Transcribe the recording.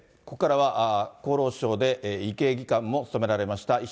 ここからは厚労省で医系技官も務められました